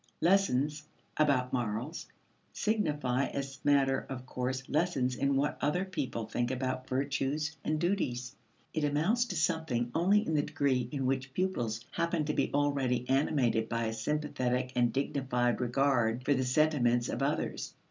Lessons "about morals" signify as matter of course lessons in what other people think about virtues and duties. It amounts to something only in the degree in which pupils happen to be already animated by a sympathetic and dignified regard for the sentiments of others.